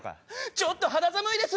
ちょっと肌寒いです。